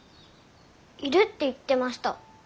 いるって言ってました。